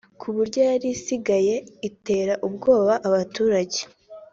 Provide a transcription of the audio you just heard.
ku buryo yari isigaye itera ubwoba abaturage